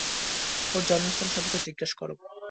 ওর জন্মস্থান সম্পর্কে জিজ্ঞাসা করো।